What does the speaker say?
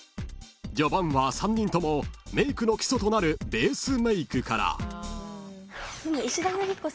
［序盤は３人ともメイクの基礎となるベースメイクから］